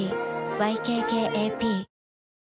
ＹＫＫＡＰ